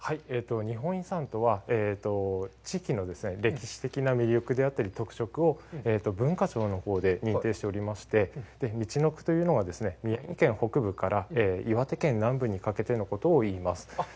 日本遺産とは、地域の歴史的な魅力であったり、特色を文化庁のほうで認定しておりまして、みちのくというのは、宮城県北部から岩手県南部にかけてのことを言います。